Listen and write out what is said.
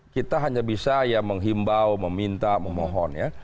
kita hanya bisa ya menghimbau meminta memohon ya